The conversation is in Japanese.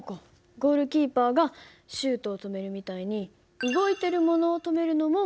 ゴールキーパーがシュートを止めるみたいに動いているものを止めるのも力か。